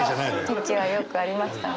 時はよくありましたね。